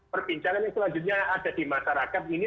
perbincangan yang selanjutnya ada di masyarakat ini